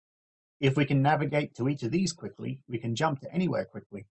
If we can navigate to each of these quickly, we can jump to anywhere quickly.